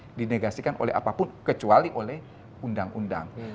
maka itu tidak boleh dinegasikan oleh apapun kecuali oleh undang undang